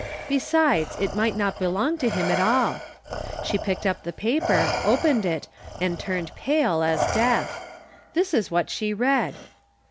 Besides, it might not belong to him at all. She picked up the paper, opened it, and turned pale as death. This is what she read.